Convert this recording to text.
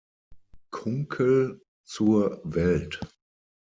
Kunkel" zur Welt.